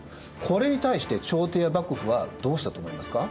これに対して朝廷や幕府はどうしたと思いますか？